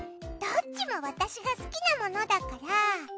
どっちも私が好きなものだから。